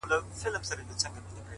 ما خو فکر کاوه چې ته تر ټولو نیکمرغه